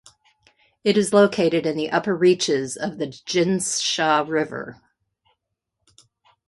It is located in the upper reaches of the Jinsha River.